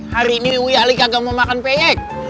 hari ini wiyali kagak mau makan peyek